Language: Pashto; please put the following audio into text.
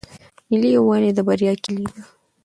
ملي یووالی د بریا کیلي ده.